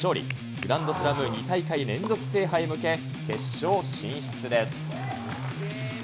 グランドスラム２大会連続制覇へ向け、決勝進出です。